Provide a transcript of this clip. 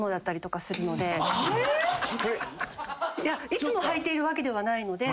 いつもはいているわけではないので。